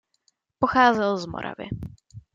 Pocházel z Moravy.